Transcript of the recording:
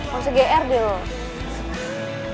masih gr dia loh